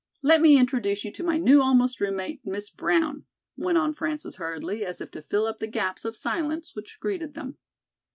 Let me introduce you to my new almost roommate, Miss Brown," went on Frances hurriedly, as if to fill up the gaps of silence which greeted them.